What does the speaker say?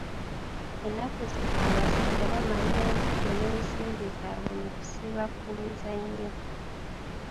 Ennaku zino abasajja bamalira obudde n'ensimbi zaabwe mu kusiba ku mizannyo.